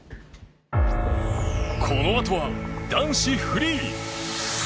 このあとは、男子フリー！